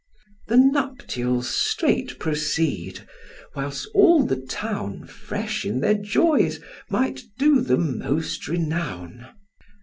The nuptials straight proceed, whiles all the town, Fresh in their joys, might do them most renown.